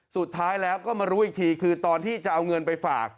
สุดท้ายแล้วก็มารู้อีกทีคือตอนที่จะเอาเงินไปฝาก